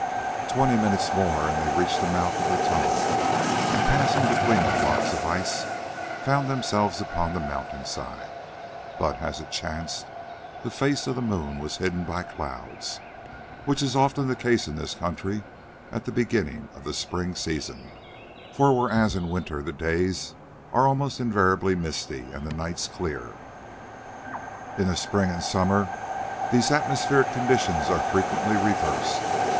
Twenty minutes more and they reached the mouth of the tunnel, and passing between the blocks of ice, found themselves upon the mountain side. But, as it chanced, the face of the moon was hidden by clouds, which is often the case in this country at the beginning of the spring season, for whereas in winter the days are almost invariably misty and the nights clear, in spring and summer these atmospheric conditions are frequently reversed.